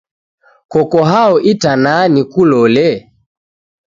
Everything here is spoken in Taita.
Koko hao itanaa nikulole?